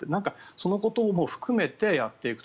そのことも含めてやっていくと。